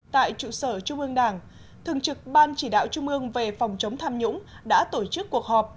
tại trụ sở trung ương đảng thường trực ban chỉ đạo trung ương về phòng chống tham nhũng đã tổ chức cuộc họp